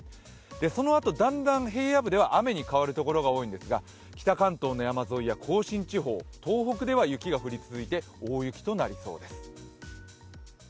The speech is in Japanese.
そのあとだんだん平野部では雨に変わる所が多いん手か北関東の山沿いや甲信地方、東北では雪が降り続いて大雪となりそうです。